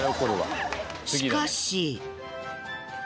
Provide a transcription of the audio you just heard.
しかし。